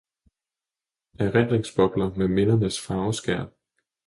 Erindringsbobler med mindernes farveskær.